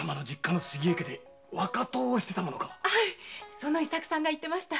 その伊作さんが言ってました。